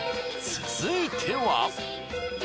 続いては。